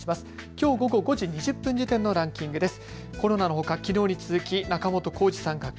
きょう午後５時２０分時点のランキングです。